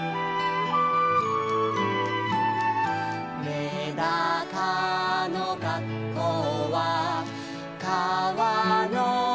「めだかのがっこうはかわのなか」